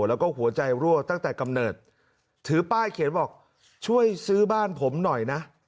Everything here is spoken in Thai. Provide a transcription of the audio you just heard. แล้วก็หัวใจรั่วตั้งแต่กำเนิดถือป้ายเขียนบอกช่วยซื้อบ้านผมหน่อยนะ